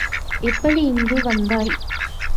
எப்படி இங்கு வந்தாய்?